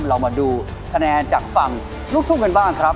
เรามาดูคะแนนจากฝั่งลูกทุ่งกันบ้างครับ